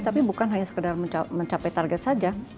tapi bukan hanya sekedar mencapai target saja